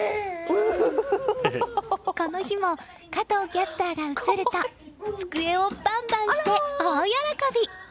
この日も加藤キャスターが映ると机をバンバンして大喜び！